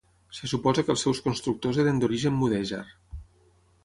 Se suposa que els seus constructors eren d'origen mudèjar.